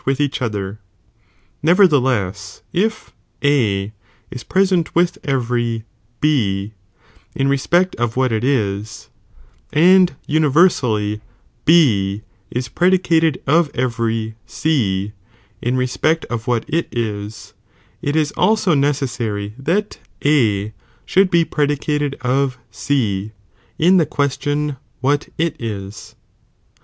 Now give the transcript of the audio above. with each other, Nevertheless, if A is present with every B in respect of what it is, and uni TCrsally B is predicated of every C in respect of what it is, it ia also necessary that A should be predicated of C in the ques tion what it is.